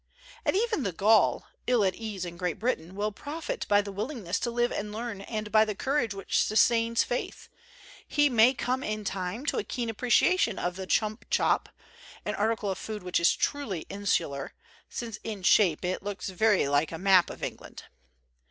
And even the Gaul, ill at ease in Great Britain, will profit by the willingness to live and learn and by the courage which sustains faith; he may come in time to a keen appreciation of the chump chop, an article of food which is truly insular, since in shape it looks very like a map of England.